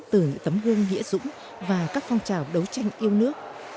từ những tấm gương nghĩa dũng và các phong trào đấu tranh yêu nước